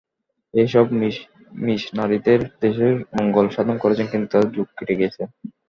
এ-সব মিশনারীদের দেশের মঙ্গল সাধন করেছেন, কিন্তু তাঁদের যুগ কেটে গেছে।